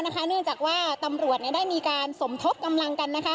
เนื่องจากว่าตำรวจได้มีการสมทบกำลังกัน